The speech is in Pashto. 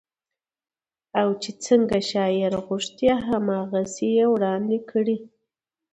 او چې څنګه شاعر غوښتي هغسې يې وړاندې کړې